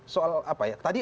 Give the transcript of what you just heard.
soal apa ya tadi